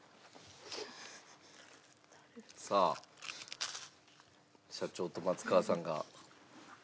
さあ社長と松川さんが。